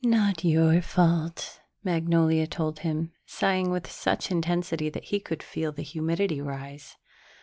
"Not your fault," Magnolia told him, sighing with such intensity that he could feel the humidity rise.